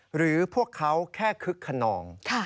หรือพวกเขาแค่คึกขนอง